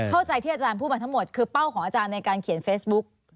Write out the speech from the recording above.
เข้าใจที่อาจารย์พูดมาทั้งหมดคือเป้าของอาจารย์ในการเขียนเฟซบุ๊ก